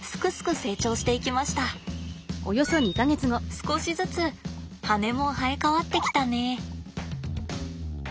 少しずつ羽も生え変わってきたね。